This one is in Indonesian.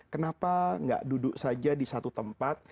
kenapa tidak duduk saja di satu tempat